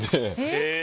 へえ。